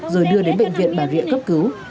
rồi đưa đến bệnh viện bà rịa cấp cứu